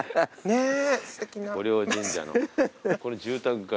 ねえ。